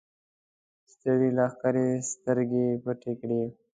ستړي لښکر سترګې پټې کړې.